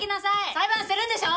裁判するんでしょ？